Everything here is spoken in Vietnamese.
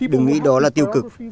đừng nghĩ đó là tiêu cực